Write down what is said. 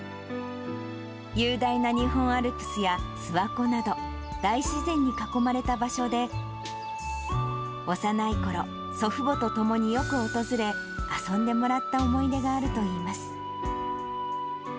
雄大な日本アルプスや、諏訪湖など、大自然に囲まれた場所で、幼いころ、祖父母と共によく訪れ、遊んでもらった思い出があるといいます。